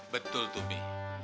betul tuh bi